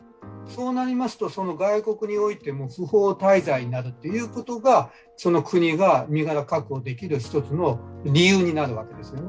そうなりますと、外国においても不法滞在になるということがその国が身柄確保できる一つの理由になるわけですね。